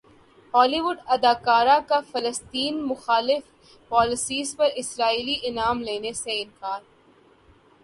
ہالی وڈ اداکارہ کا فلسطین مخالف پالیسی پر اسرائیلی انعام لینے سے انکار